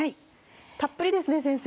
たっぷりですね先生。